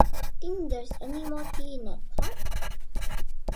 Think there's any more tea in that pot?